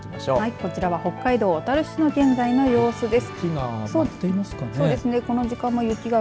こちらは北海道小樽市の現在の様子です。